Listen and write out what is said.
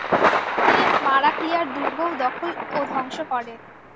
তিনি মারাক্লিয়ার দুর্গও দখল ও ধ্বংস করেন।